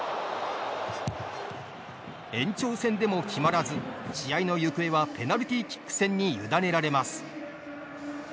延長戦でも決まらず試合の行方はペナルティーキック戦にゆだねられます。